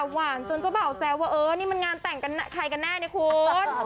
จนเจ้าบ่าวแซวว่าเออนี่มันงานแต่งใครกันแน่เนี่ยคุณ